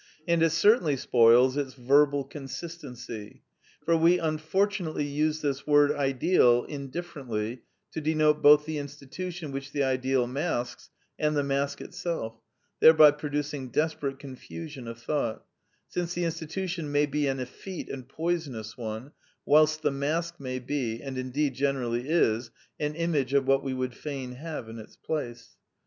And it certainly spoils its verbal con sistency. For we unfortunately use this word Ideal indifferently to denote both the institution which the ideal masks and the mask itself, thereby producing desperate confusion of thought, since the institution may be an effete and poisonous one, whilst the mask may be, and indeed generally is, an image of what we would fain have in its place.